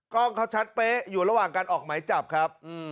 กล้องเขาชัดเป๊ะอยู่ระหว่างการออกหมายจับครับ